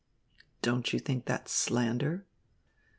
"Don't you think that's slander?"